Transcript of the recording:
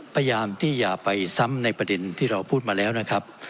พยายามที่อย่าไปซ้ำในประเด็นที่เราพูดมาแล้วนะครับ